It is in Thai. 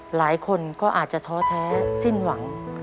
หลายคนก็อาจจะท้อแท้สิ้นหวัง